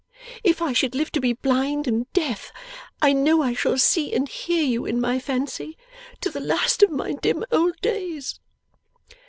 If I should live to be blind and deaf I know I shall see and hear you, in my fancy, to the last of my dim old days!